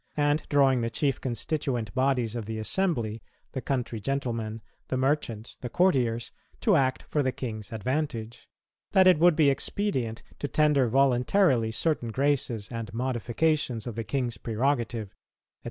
. and drawing the chief constituent bodies of the assembly, the country gentlemen, the merchants, the courtiers, to act for the King's advantage; that it would be expedient to tender voluntarily certain graces and modifications of the King's prerogative," &c.